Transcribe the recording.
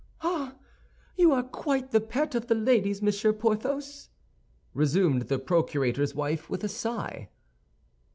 "Ah, you are quite the pet of the ladies, Monsieur Porthos!" resumed the procurator's wife, with a sigh.